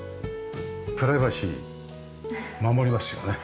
プライバシー守りますよね